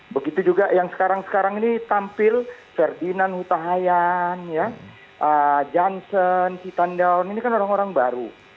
begitu juga yang sekarang sekarang ini tampil ferdinand hutahayan johnson sitan daun ini kan orang orang baru